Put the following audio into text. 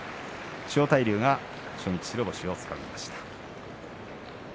千代大龍が初日白星をつかみました。